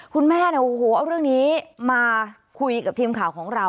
คุณแม่เนี่ยโอ้โหเอาเรื่องนี้มาคุยกับทีมข่าวของเรา